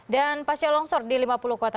dan pak selongsor di lima puluh km